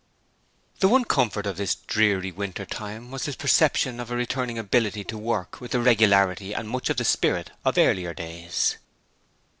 The one comfort of this dreary winter time was his perception of a returning ability to work with the regularity and much of the spirit of earlier days.